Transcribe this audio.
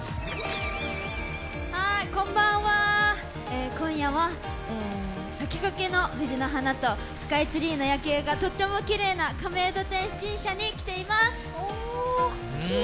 こんばんは、今夜は咲きがけの藤の花とスカイツリーの夜景がとってもきれいな亀戸天神社に来ています。